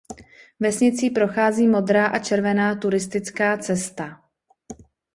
Vesnicí prochází modrá a červená turistická cesta.